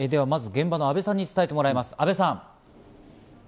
まずは現場の阿部さんに伝えてもらいます、阿部さん。